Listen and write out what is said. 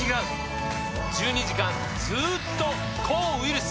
１２時間ずっと抗ウイルス！